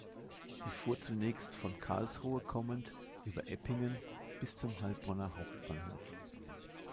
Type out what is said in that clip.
Sie fuhr zunächst von Karlsruhe kommend über Eppingen bis zum Heilbronner Hauptbahnhof.